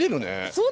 そう！